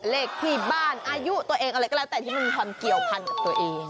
เลขที่บ้านอายุตัวเองอะไรก็แล้วแต่ที่มันเกี่ยวพันกับตัวเอง